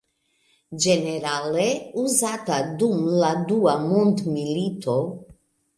Ĝenerale uzata dum la dua mondmilito.